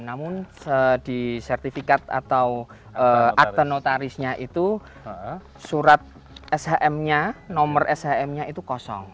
namun di sertifikat atau akte notarisnya itu surat shmnya nomor shmnya itu kosong